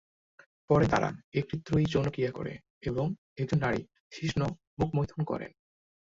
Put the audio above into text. পরে, তারা একটি ত্রয়ী যৌনক্রিয়া করে এবং একজন নারী শিশ্ন-মুখমৈথুন করেন।